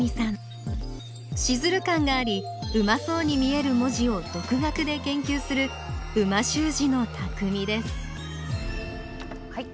シズル感がありうまそうに見える文字をどくがくで研究する美味しゅう字のたくみですはい。